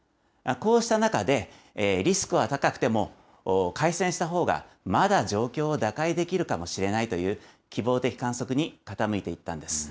こうした中で、リスクは高くても、開戦したほうがまだ状況を打開できるかもしれないという、希望的観測に傾いていったんです。